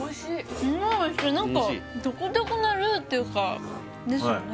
すごいおいしい何かっていうかですよね